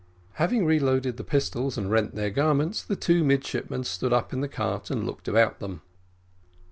Having reloaded the pistols and rent their garments, the two midshipmen stood up in the cart and looked about them.